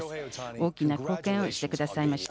大きな貢献をしてくださいました。